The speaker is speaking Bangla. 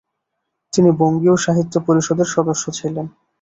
তিনি বঙ্গীয় সাহিত্য পরিষদের সদস্য ছিলেন ।